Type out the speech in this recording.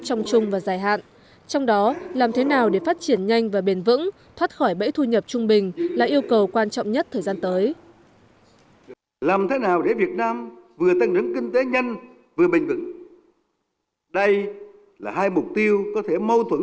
trong đó làm thế nào để phát triển nhanh và bền vững thoát khỏi bẫy thu nhập trung bình là yêu cầu quan trọng nhất thời gian tới